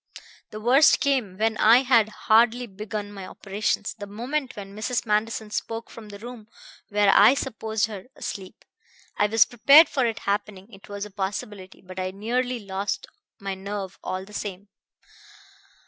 "The worst came when I had hardly begun my operations; the moment when Mrs. Manderson spoke from the room where I supposed her asleep. I was prepared for it happening; it was a possibility; but I nearly lost my nerve all the same.